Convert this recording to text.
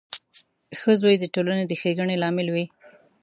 • ښه زوی د ټولنې د ښېګڼې لامل وي.